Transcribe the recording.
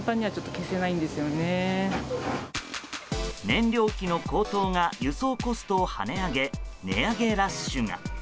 燃料費の高騰が輸送コストを跳ね上げ値上げラッシュが。